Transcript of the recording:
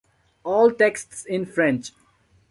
All texts in French.